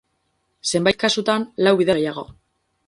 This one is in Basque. Zenbait kasutan, lau bider gehiago.